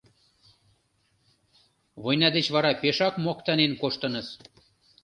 Война деч вара пешак моктанен коштыныс.